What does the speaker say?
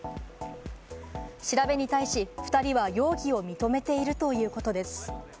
調べに対し、２人は容疑を認めているということです。